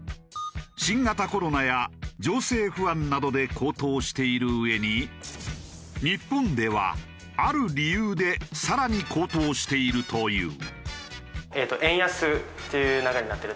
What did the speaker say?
新型コロナや情勢不安などで高騰しているうえに日本ではある理由で更に高騰しているという。